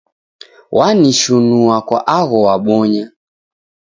Wanishinua kwa agho wabonya.